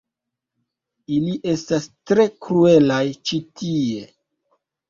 Ili estas tre kruelaj ĉi tie